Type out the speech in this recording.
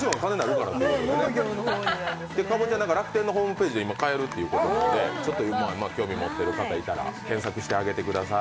かぼちゃは今、楽天のホームページで買えるということなので興味持ってる方がいたら検索してあげてください。